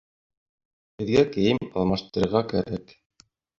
Беҙгә кейем алмаштырырға кәрәк...